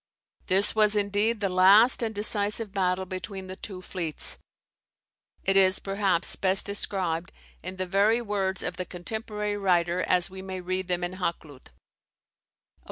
This was indeed the last and the decisive battle between the two fleets. It is, perhaps, best described in the very words of the contemporary writer as we may read them in Hakluyt. [Vol.